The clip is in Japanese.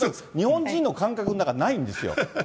日本人の感覚の中にないんですよ。